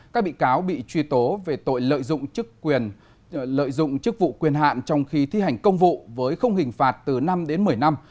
các bị cáo bị truy tố về tội lợi dụng chức vụ quyền hạn trong khi thi hành công vụ với không hình phạt từ năm đến một mươi năm